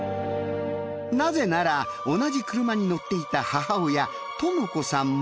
なぜなら同じ車に乗っていた母親智子さんも。